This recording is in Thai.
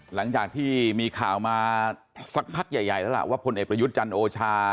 หลังจากที่มีข่าวมาสักพักใหญ่แล้วล่ะว่าพลเอกประยุทธ์จันทร์โอชา